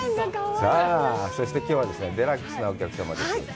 さあ、そしてきょうはデラックスなお客様です。